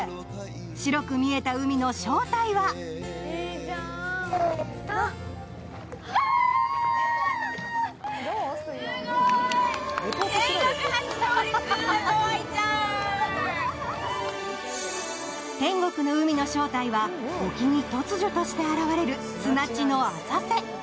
白く見えた海の正体は天国の海の正体は、沖に突如として現れる砂地の浅瀬。